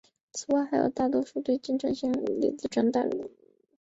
此外还有对于京城陷落后己身被李自成大顺军搜捕入狱的经历记载。